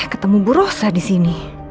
ketemu bu rosa di sini